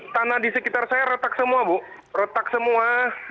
tanah di sekitar saya retak semua bu retak semua